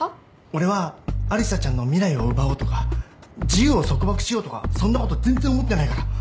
俺はアリサちゃんの未来を奪おうとか自由を束縛しようとかそんなこと全然思ってないから。